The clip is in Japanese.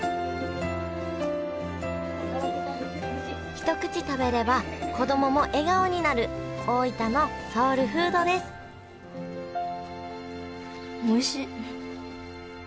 一口食べれば子供も笑顔になる大分のソウルフードですおいしっ！